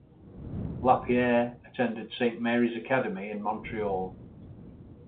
Lapierre attended Saint Mary's Academy in Montreal.